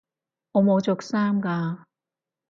我冇着衫㗎